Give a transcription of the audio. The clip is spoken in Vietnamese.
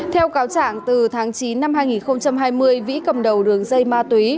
theo cáo trạng từ tháng chín năm hai nghìn hai mươi vĩ cầm đầu đường dây ma túy